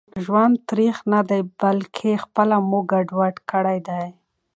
ژوند تريخ ندي بلکي خپله مو ګډوډ کړي دي